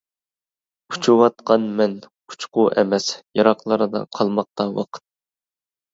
ئۇچۇۋاتقان مەن، ئۇچقۇ ئەمەس، يىراقلاردا قالماقتا ۋاقىت.